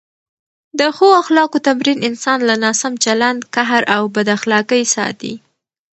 د ښو اخلاقو تمرین انسان له ناسم چلند، قهر او بد اخلاقۍ ساتي.